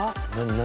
何？